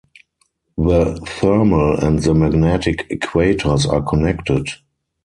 The thermal and the magnetic equators are connected.